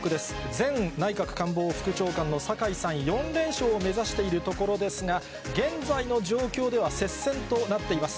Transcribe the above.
前内閣官房副長官の坂井さん、４連勝を目指しているところですが、現在の状況では接戦となっています。